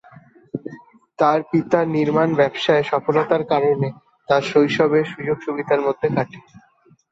তার পিতার নির্মাণ ব্যবসায়ে সফলতার কারণে তার শৈশবে সুযোগ-সুবিধার মধ্যে কাটে।